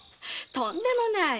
とんでもない。